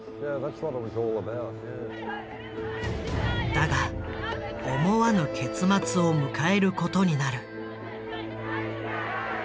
だが思わぬ結末を迎えることになる。